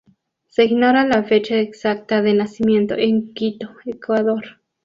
Se ignora la fecha exacta de nacimiento en Quito, Ecuador.